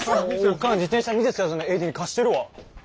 おかん自転車見ず知らずのＡＤに貸してるわ。